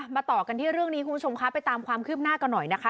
ต่อกันที่เรื่องนี้คุณผู้ชมคะไปตามความคืบหน้ากันหน่อยนะคะ